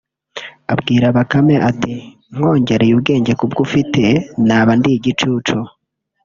abwira Bakame ati “Nkongereye ubwenge ku bwo ufite naba ndi igicucu